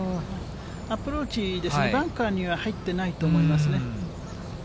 アプローチですね、バンカーには入ってないと思いますね。